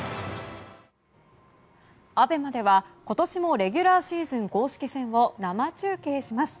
ＡＢＥＭＡでは、今年もレギュラーシーズン公式戦を生中継します。